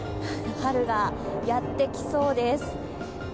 春がやってきそうです。